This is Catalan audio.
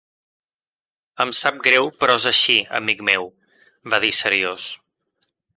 "Em sap greu però és així, amic meu", va dir seriós.